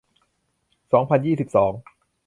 สองพันยี่สิบสอง